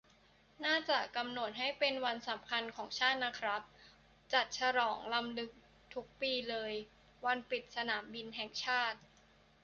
น่าจะกำหนดให้เป็นวันสำคัญของชาตินะครับ จัดฉลองรำลึกทุกปีเลย วันปิดสนามบินแห่งชาติ